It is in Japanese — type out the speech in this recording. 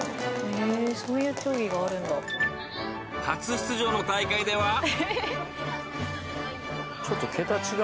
［初出場の大会では］